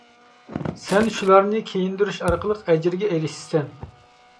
سەن شۇلارنى كىيىندۈرۈش ئارقىلىق ئەجىرگە ئېرىشىسەن.